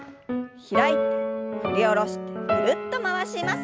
開いて振り下ろしてぐるっと回します。